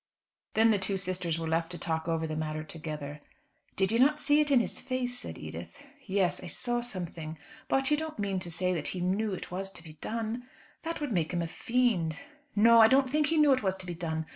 Then the two sisters were left to talk over the matter together. "Did you not see it in his face?" said Edith. "Yes, I saw something. But you don't mean to say that he knew it was to be done? That would make him a fiend." "No; I don't think he knew it was to be done.